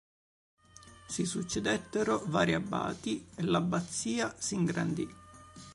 Si succedettero vari abati e l'abbazia s'ingrandì.